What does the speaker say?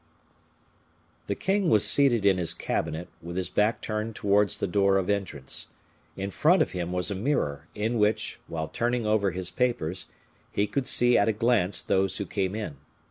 The king was seated in his cabinet, with his back turned towards the door of entrance. In front of him was a mirror, in which, while turning over his papers, he could see at a glance those who came in.